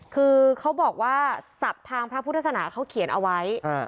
คือเขาบอกว่าศัพท์ทางพระพุทธศนาเขาเขียนเอาไว้